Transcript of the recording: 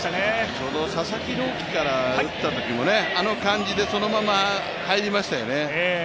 ちょうど佐々木朗希から打ったときも、あの感じでそのまま入りましたよね。